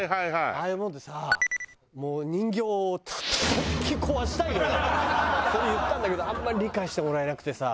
ああいうもんでさもう人形をそれ言ったんだけどあんまり理解してもらえなくてさ。